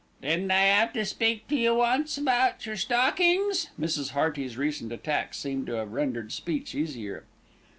"Didn't I 'ave to speak to you once about your stockings?" Mrs. Hearty's recent attack seemed to have rendered speech easier.